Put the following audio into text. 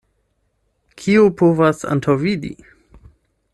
Kiu povas antaŭvidi!